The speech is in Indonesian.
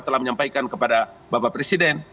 telah menyampaikan kepada bapak presiden